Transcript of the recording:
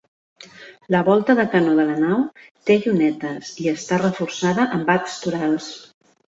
La volta de canó de la nau té llunetes i està reforçada amb arcs torals.